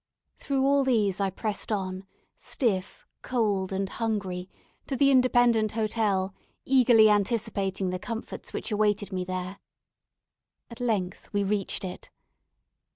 Through all these I pressed on, stiff, cold, and hungry, to the Independent Hotel, eagerly anticipating the comforts which awaited me there. At length we reached it.